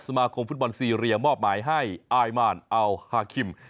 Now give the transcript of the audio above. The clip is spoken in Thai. สมาคมฟุตบอลซีเรียมอบหมายให้อายมานอัลฮาคิม